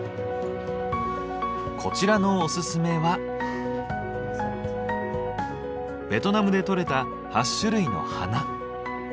こちらのおすすめはベトナムでとれた８種類の花。